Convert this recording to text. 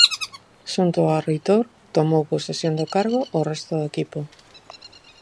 Xunto ao reitor tomou posesión do cargo o resto do equipo.